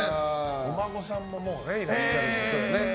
お孫さんももういらっしゃるし。